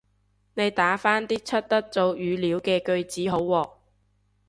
你打返啲出得做語料嘅句子好喎